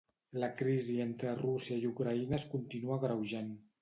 La crisi entre Rússia i Ucraïna es continua agreujant.